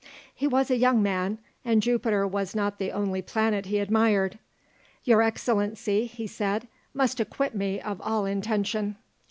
He was a young man, and Jupiter was not the only planet he admired. "Your Excellency," he said, "must acquit me of all intention."